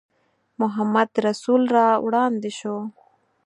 محمدرسول را وړاندې شو.